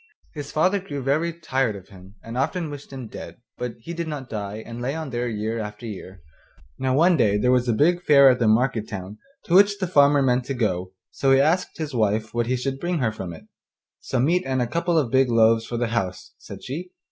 His father grew very tired of him and often wished him dead, but he did not die, but lay on there year after year. Now one day there was a big fair at the market town to which the farmer meant to go, so he asked his wife what he should bring her from it. 'Some meat and a couple of big loaves for the house,' said she.